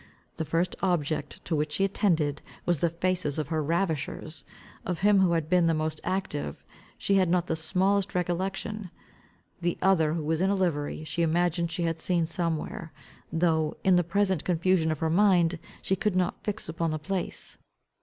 The first object to which she attended was the faces of her ravishers. Of him who had been the most active, she had not the smallest recollection. The other who was in a livery, she imagined she had seen somewhere, though, in the present confusion of her mind, she could not fix upon the place.